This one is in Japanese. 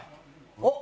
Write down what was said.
おっ！